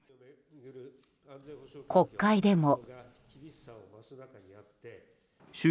国会でも。